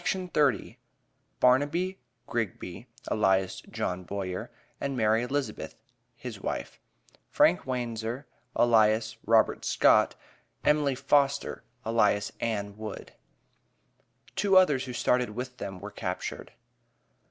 BARNABY GRIGBY, ALIAS JOHN BOYER, AND MARY ELIZABETH, HIS WIFE; FRANK WANZER, ALIAS ROBERT SCOTT; EMILY FOSTER, ALIAS ANN WOOD. (TWO OTHERS WHO STARTED WITH THEM WERE CAPTURED.)